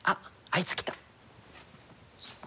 あいつ来た！